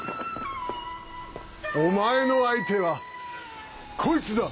お前の相手はこいつだ！